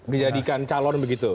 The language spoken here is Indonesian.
dijadikan calon begitu